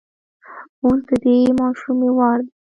اوس د دې ماشومې وار دی.